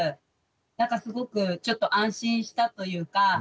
なんかすごくちょっと安心したというか。